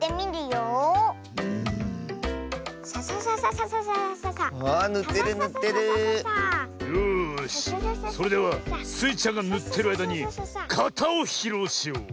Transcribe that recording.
よしそれではスイちゃんがぬってるあいだにかたをひろうしよう。